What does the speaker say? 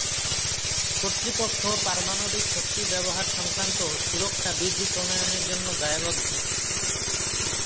কর্তৃপক্ষ পারমাণবিক শক্তি ব্যবহার সংক্রান্ত সুরক্ষা বিধি প্রণয়নের জন্য দায়বদ্ধ।